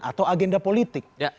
atau agenda politik ya